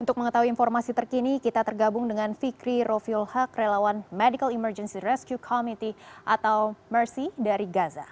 untuk mengetahui informasi terkini kita tergabung dengan fikri roviulha kerelawan medical emergency rescue committee atau merci dari gaza